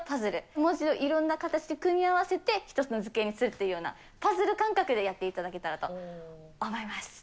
文字をいろんな形で組み合わせて、１つの図形にするっていうような、パズル感覚でやっていただけたらと思います。